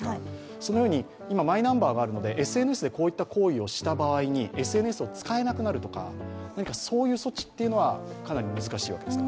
そのように、今、マイナンバーがあるので、ＳＮＳでこういったことをした場合にＳＮＳを使えなくなるとか、そういう措置はかなり難しいですか？